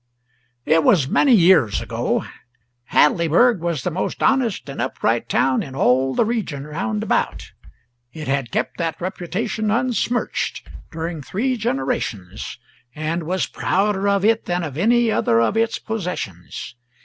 It was many years ago. Hadleyburg was the most honest and upright town in all the region round about. It had kept that reputation unsmirched during three generations, and was prouder of it than of any other of its possessions.